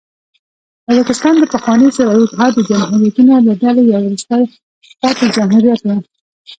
تاجکستان د پخواني شوروي اتحاد د جمهوریتونو له ډلې یو وروسته پاتې جمهوریت و.